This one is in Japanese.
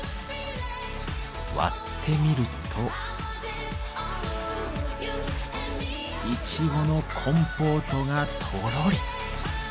割ってみるとイチゴのコンポートがとろり。